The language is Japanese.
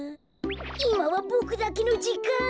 いまはボクだけのじかん。